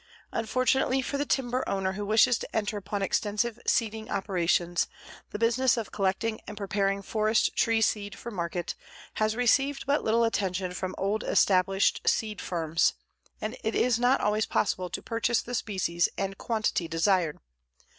Unfortunately for the timber owner who wishes to enter upon extensive seeding operations, the business of collecting and preparing forest tree seed for market has received but little attention from old established seed firms, and it is not always possible to purchase the species and quantity desired.